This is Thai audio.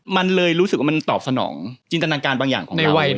มันเลยรู้สึกว่ามันตอบสนองจินตนาการบางอย่างของเขา